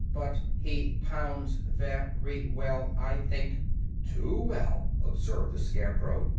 But he pounds ve ry well, I think." "Too well," observed the Scarecrow.